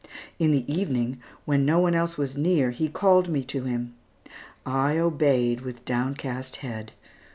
In the evening, when no one else was near, he called me to him. I obeyed with downcast head.